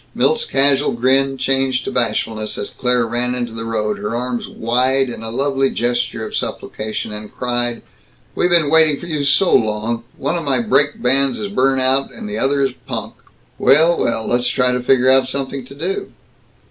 Milt's casual grin changed to bashfulness as Claire ran into the road, her arms wide in a lovely gesture of supplication, and cried, "We been waiting for you so long! One of my brake bands is burnt out, and the other is punk." "Well, well. Let's try to figure out something to do."